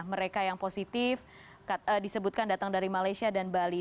mereka yang positif disebutkan datang dari malaysia dan bali